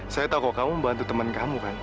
saya tahu kok kamu membantu teman kamu kan